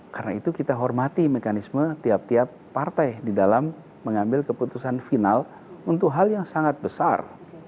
karena itu kita hormati mekanisme tiap tiap partai di dalam mengambil keputusan final untuk hal yang sangat besar